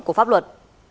của pháp luật